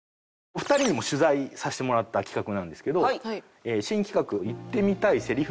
お二人にも取材させてもらった企画なんですけど新企画。